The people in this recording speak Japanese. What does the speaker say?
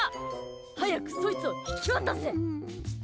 早くそいつを引き渡せ！